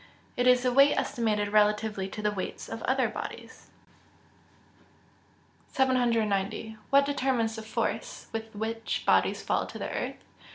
_ It is its weight estimated relatively to the weights of other bodies. 790. _What determines the force with which bodies fall to the earth?